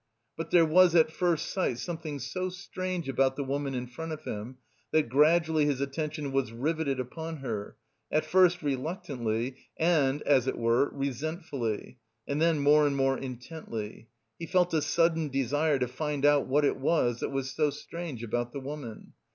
But there was at first sight something so strange about the woman in front of him, that gradually his attention was riveted upon her, at first reluctantly and, as it were, resentfully, and then more and more intently. He felt a sudden desire to find out what it was that was so strange about the woman.